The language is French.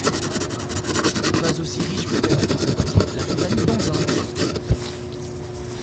Pas aussi riche peut-être que sa voisine, la Compagnie d’Anzin.